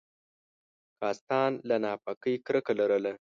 کاستان له ناپاکۍ کرکه لرله.